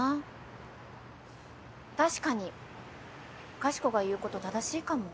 確かにかしこが言う事正しいかも。